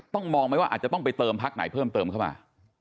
มองไหมว่าอาจจะต้องไปเติมพักไหนเพิ่มเติมเข้ามา